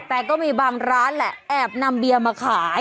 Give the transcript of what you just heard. แต่ก็มีบางร้านแหละแอบนำเบียร์มาขาย